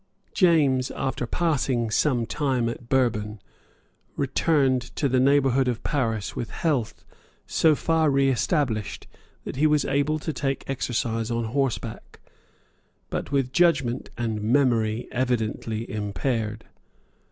James, after passing some time at Bourbon, returned to the neighbourhood of Paris with health so far reestablished that he was able to take exercise on horseback, but with judgment and memory evidently impaired.